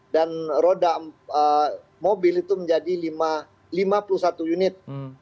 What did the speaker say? dan roda mobil itu menjadi lima puluh satu unit